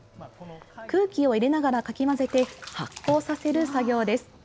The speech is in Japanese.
空気を入れながらかき混ぜて、発酵させる作業です。